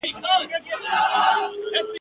زنګېدی د زمري لور ته ور روان سو !.